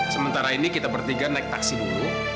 sementara ini kita bertiga naik taksi dulu